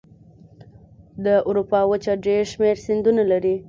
د اروپا وچه ډېر شمیر سیندونه لري.